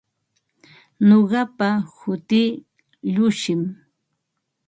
Nuqapa hutii Llushim.